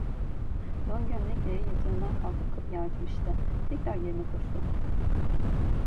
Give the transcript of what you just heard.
Don gömlekle yatağından kalkıp kapıyı açmıştı, tekrar yerine koştu.